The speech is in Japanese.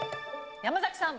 山崎さん。